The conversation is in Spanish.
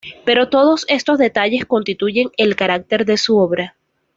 Pero todos estos detalles constituyen el carácter de su obra.